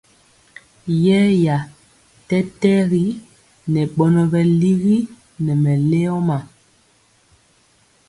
Yeeya tɛtɛgi ŋɛ bɔnɔ bɛ ligi nɛ mɛleoma.